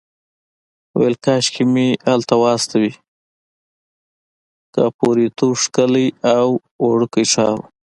ویل کاشکې مې هلته واستوي، کاپوریتو ښکلی او وړوکی ښار و.